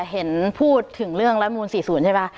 เห็นพูดถึงเรื่องรัฐมนูล๔๐ใช่ไหม